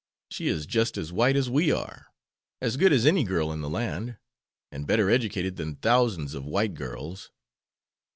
She is just as white as we are, as good as any girl in the land, and better educated than thousands of white girls.